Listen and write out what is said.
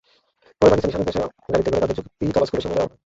পরে পাকিস্তানি সেনাদের গাড়িতে করে তাঁদের যুক্তিতলা স্কুলের সামনে নেওয়া হয়।